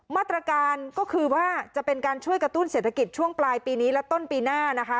มาตรการก็คือว่าจะเป็นการช่วยกระตุ้นเศรษฐกิจช่วงปลายปีนี้และต้นปีหน้านะคะ